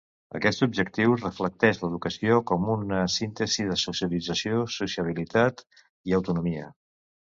Aquest objectiu reflecteix l'educació com una síntesi de socialització, sociabilitat i autonomia.